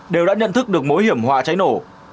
đều đã nhận thức được mối hiểm họa cháy nổ